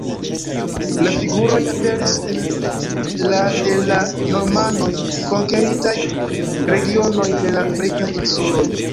La figuroj aperis en la de la Normanoj konkeritaj regionoj de la Britaj Insuloj.